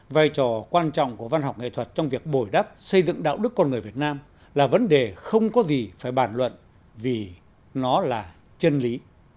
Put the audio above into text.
vai trò quan trọng của văn học nghệ thuật trong việc bồi đắp xây dựng đạo đức con người việt nam là vấn đề không có gì phải bàn luận vì nó là chân lý